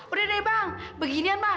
udah deh bang beginian mah